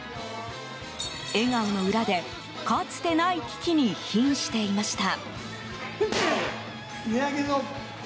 笑顔の裏で、かつてない危機にひんしていました。